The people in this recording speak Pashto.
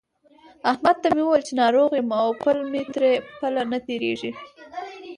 احمد ته مې وويل چې ناروغ يم او پل مې تر پله نه تېرېږي.